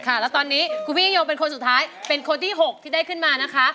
แล้วตอนนี้คุณพี่ยิ่งยงเป็นคนสุดท้ายเป็นคนที่๖ที่ได้ขึ้นมานะคะ